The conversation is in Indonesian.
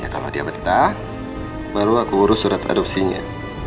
kalau dia betah baru aku urus surat adopsinya